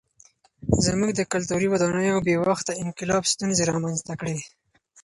زموږ د کلتوري ودانیو بې وخته انقلاب ستونزې رامنځته کړې.